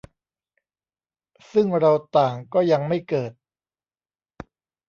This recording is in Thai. ซึ่งเราต่างก็ยังไม่เกิด